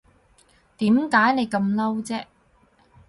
點解你咁嬲啫